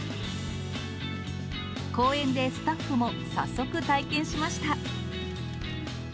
公園でスタッフも早速体験しました。